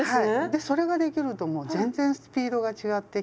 でそれができるともう全然スピードが違ってきて。